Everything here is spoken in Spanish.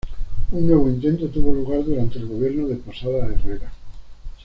Un nuevo intento tuvo lugar durante el gobierno de Posada Herrera.